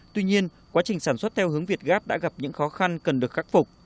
tuy nhiên quá trình sản xuất theo hướng việt gáp đã gặp những khó khăn cần được khắc phục